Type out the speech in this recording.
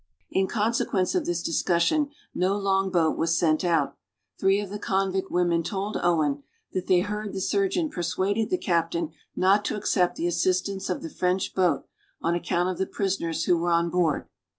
In consequence of this discussion, no long boat was sent out. Three of the convict women told Owen, that they heard the surgeon persuaded the captain not to accept the assistance of the French boat, on account of the prisoners who were on board.